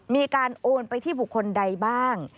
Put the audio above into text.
มีการโอนไปที่บุคคลใดบ้าง